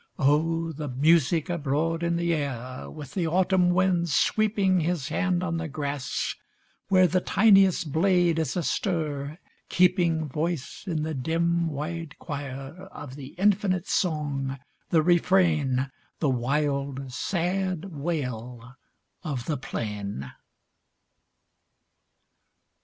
O the music abroad in the air, With the autumn wind sweeping His hand on the grass, where The tiniest blade is astir, keeping Voice in the dim, wide choir, Of the infinite song, the refrain, The wild, sad wail of the plain